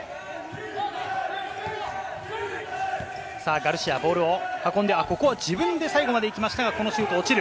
ガルシア、ボールを運んで、ここは自分で最後まで行きましたが、このシュート落ちる。